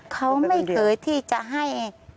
เขาไม่เคยที่จะให้